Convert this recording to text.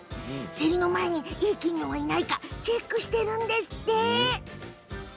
競りの前にいい金魚はいないかチェックしてるんですって。